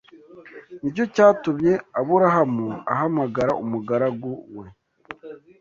Ni cyo cyatumye Aburahamu ahamagara umugaragu we